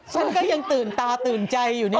ฉันก็ยังตื่นตาตื่นใจอยู่นี่